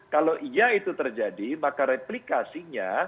kalau iya itu terjadi maka replikasinya